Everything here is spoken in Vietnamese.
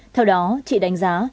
theo đó chị đánh giá